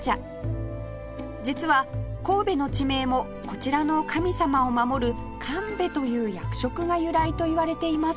実は神戸の地名もこちらの神様を守る神戸という役職が由来といわれています